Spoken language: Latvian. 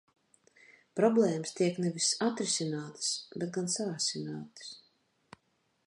Problēmas tiek nevis atrisinātas, bet gan saasinātas.